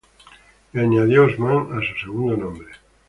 Y añadió Osman a su segundo nombre.